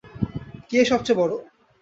কে সবচেয়ে বড়?